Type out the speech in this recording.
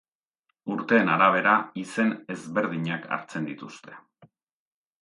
Urteen arabera, izen ezberdinak hartzen dituzte.